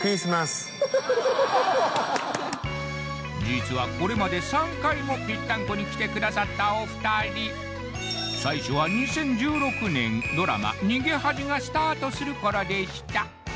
実はこれまで３回もぴったんこに来てくださったお二人最初は２０１６年ドラマ「逃げ恥」がスタートする頃でした